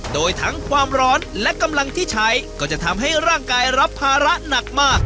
โดยทั้งความร้อนและกำลังที่ใช้ก็จะทำให้ร่างกายรับภาระหนักมาก